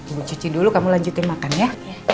ibu cuci dulu kamu lanjutin makan ya